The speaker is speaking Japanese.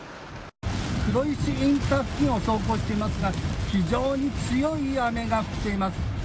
インター付近を走行していますが非常に強い雨が降っています。